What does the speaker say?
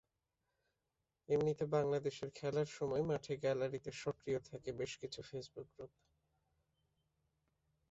এমনিতে বাংলাদেশের খেলার সময় মাঠে গ্যালারিতে সক্রিয় থাকে বেশ কিছু ফেসবুক গ্রুপ।